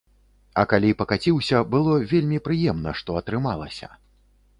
А калі пакаціўся, было вельмі прыемна, што атрымалася.